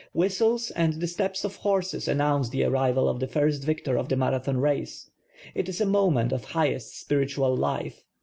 Whistles and the steps of horses an nounce the arrival of the first victor of the Marathon race. It is a moment of highest spiritual life.